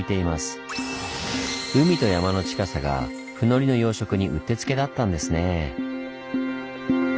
海と山の近さがふのりの養殖にうってつけだったんですねぇ。